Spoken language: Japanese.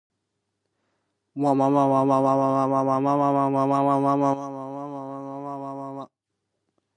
武の舞と文の舞のこと。夏の禹王が始めた舞楽。「干戚」はたてとまさかりを持って舞う、武の舞のこと。「羽旄」は雉の羽と旄牛の尾で作った飾りを持って舞う、文の舞の意。